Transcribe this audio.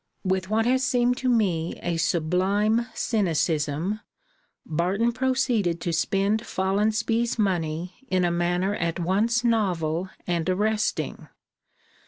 With what has seemed to me a sublime cynicism, Barton proceeded to spend Follonsby's money in a manner at once novel and arresting.